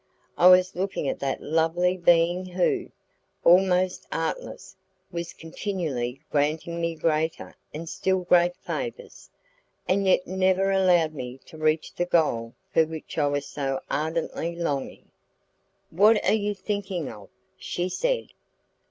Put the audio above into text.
I was looking at that lovely being who, almost artless, was continually granting me greater and still greater favours, and yet never allowed me to reach the goal for which I was so ardently longing. "What are you thinking of?" she said.